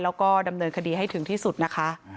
แล้วก็ดำเนินคดีให้ถึงที่สุดนะคะ